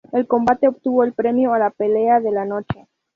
El combate obtuvo el premio a la "Pelea de la Noche".